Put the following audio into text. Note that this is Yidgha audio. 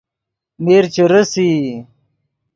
میر چے ریسئی